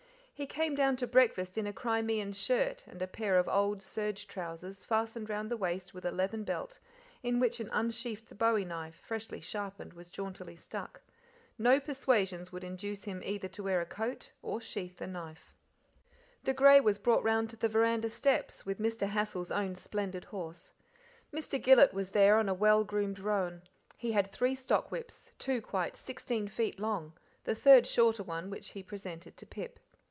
He came down to breakfast in a Crimean shirt and a pair of old, serge trousers fastened round the waist with a leathern belt, in which an unsheathed bowie knife, freshly sharpened, was jauntily stuck. No persuasions would induce him either to wear a coat or sheathe the knife. The grey was brought round to the veranda steps, with Mr. Hassal's own splendid horse. Mr. Gillet was there on a well groomed roan; he had three stock whips, two quite sixteen feet long, the third shorter one, which he presented to Pip.